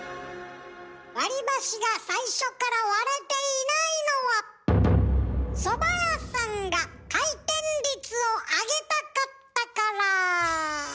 割り箸が最初から割れていないのはそば屋さんが回転率を上げたかったから。